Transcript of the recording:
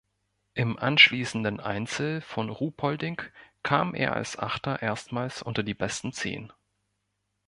Im anschließenden Einzel von Ruhpolding kam er als Achter erstmals unter die besten Zehn.